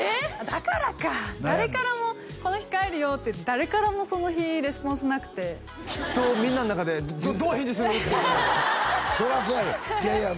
だからか誰からも「この日帰るよ」って誰からもその日レスポンスなくてきっとみんなの中で「どう返事する！？」っていうそりゃそうやろいやいや